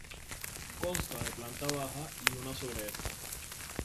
Consta de planta baja y una sobre esta.